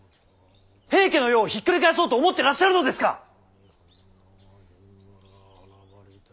平家の世をひっくり返そうと思ってらっしゃるのですか！